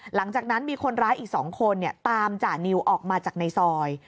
หลังจากนั้นมีคนร้ายอีก๒คนตามจานิวออกมาจากในซอย